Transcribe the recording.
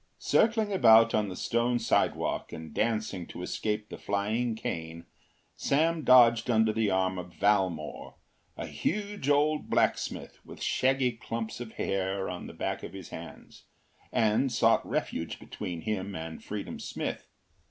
” Circling about on the stone sidewalk and dancing to escape the flying cane, Sam dodged under the arm of Valmore, a huge old blacksmith with shaggy clumps of hair on the back of his hands, and sought refuge between him and Freedom Smith.